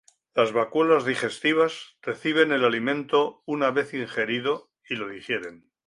Las vacuolas digestivas reciben el alimento una vez ingerido y lo digieren.